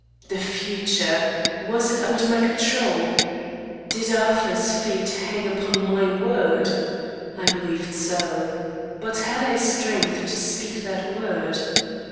The future! Was it under my control? Did Arthur's fate hang upon my word? I believed so. But had I strength to speak that word?